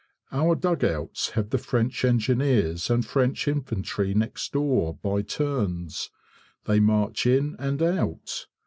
Our dugouts have the French Engineers and French Infantry next door by turns. They march in and out.